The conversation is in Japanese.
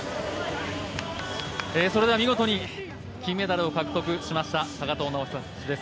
見事に金メダルを獲得しました高藤直寿です。